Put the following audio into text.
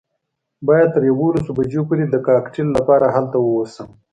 باید تر یوولسو بجو پورې د کاکټیل لپاره هلته ووسم.